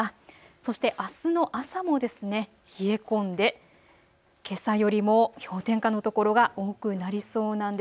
そしてあすの朝も冷え込んでけさよりも氷点下の所が多くなりそうなんです。